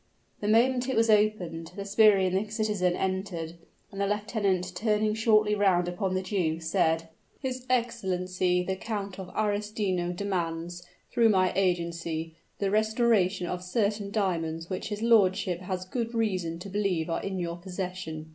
The moment it was opened, the sbirri and the citizen entered; and the lieutenant, turning shortly round upon the Jew, said, "His Excellency the Count of Arestino demands, through my agency, the restoration of certain diamonds which his lordship has good reason to believe are in your possession.